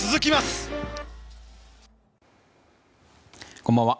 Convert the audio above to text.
こんばんは。